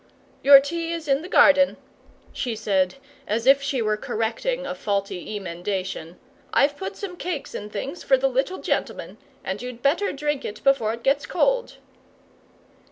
"Your tea is in the garden," she said, as if she were correcting a faulty emendation. "I've put some cakes and things for the little gentleman; and you'd better drink it before it gets cold."